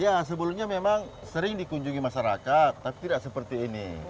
ya sebelumnya memang sering dikunjungi masyarakat tapi tidak seperti ini